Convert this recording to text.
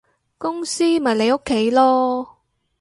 公司咪你屋企囉